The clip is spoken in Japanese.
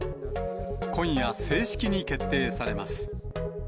今夜、正式に決定されます。